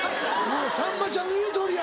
「さんまちゃんの言うとおりや」。